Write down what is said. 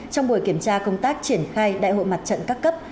trong buổi kiểm tra công tác triển khai đại hội mặt trận các cấp